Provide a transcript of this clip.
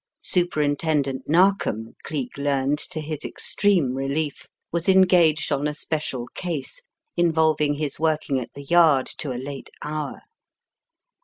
Superintendent Narkom* Cleek learned to his extreme relief, was engaged on a special case involving his working at the Yard to a late hour.